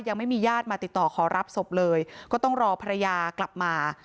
ยังไม่มีญาติมาติดต่อขอรับศพเลยก็ต้องรอภรรยากลับมา